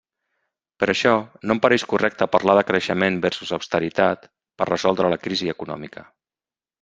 Per això, no em pareix correcte parlar de creixement versus austeritat per a resoldre la crisi econòmica.